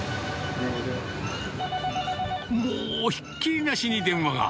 もうひっきりなしに電話が。